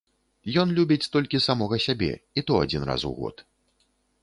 Ён любіць толькі самога сябе і то адзін раз у год